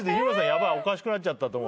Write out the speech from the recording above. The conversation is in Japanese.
ヤバいおかしくなっちゃったと思う。